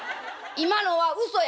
今のはうそや」。